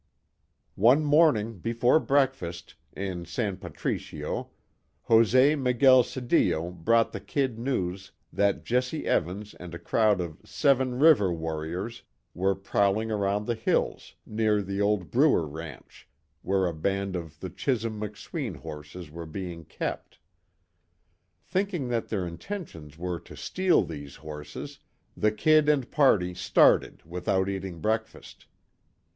One morning, before breakfast, in San Patricio, Jose Miguel Sedillo brought the "Kid" news that Jesse Evans and a crowd of "Seven River Warriors" were prowling around in the hills, near the old Bruer ranch, where a band of the Chisum McSween horses were being kept. Thinking that their intentions were to steal these horses, the "Kid" and party started without eating breakfast.